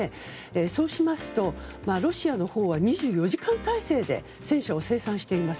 そうしますとロシアのほうは２４時間態勢で戦車を生産しています。